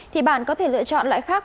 thì bạn có thể lựa chọn loại khác